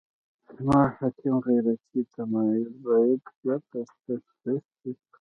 زموږ حاکم غیرتي تمایل باید بېرته تصحیح شي.